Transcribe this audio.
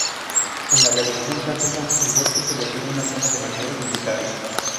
En la Revolución francesa, el bosque se volvió una zona de maniobras militares.